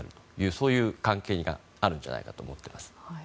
そういう関係があるんじゃないかと思ってます。